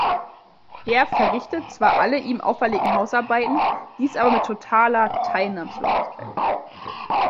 Er verrichtet zwar alle ihm auferlegten Hausarbeiten, dies aber mit „totaler Teilnahmslosigkeit“.